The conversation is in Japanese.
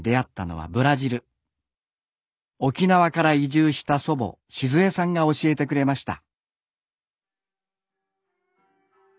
沖縄から移住した祖母静枝さんが教えてくれました。